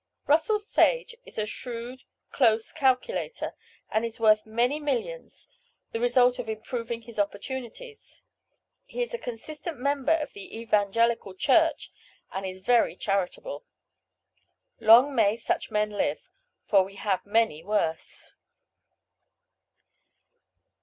Russell Sage is a shrewd, close calculator, and is worth many millions, the result of improving his opportunities. He is a consistent member of the Evangelical Church, and is very charitable. Long may such men live, for we have many worse.